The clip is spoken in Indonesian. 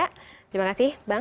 terima kasih bang